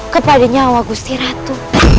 kepada nyawa gusti ratu